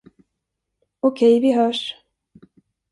Okej, vi hörs!